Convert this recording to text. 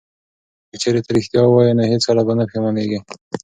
که چیرې ته ریښتیا ووایې نو هیڅکله به نه پښیمانیږې.